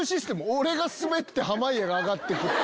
俺がスベって濱家が上がってく。